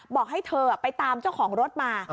บอกให้เธอไปตามเจ้าของรถมา